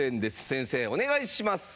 先生お願いします。